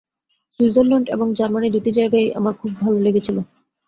Switzerland এবং Germany দুটি জায়গায়ই আমার খুব ভাল লেগেছিল।